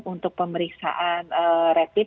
untuk pemeriksaan rapid